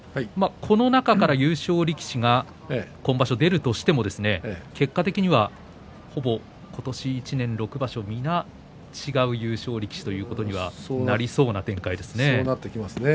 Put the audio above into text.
この中から優勝力士が今場所出るとしても結果的にはほぼ今年１年６場所、皆違う優勝力士ということにはそうなりそうですね。